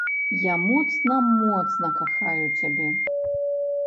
Я моцна-моцна кахаю цябе!!!